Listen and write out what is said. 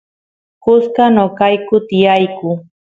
kusqas noqayku tiyayku